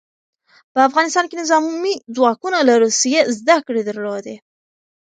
په افغانستان کې نظامي ځواکونه له روسیې زدکړې درلودې.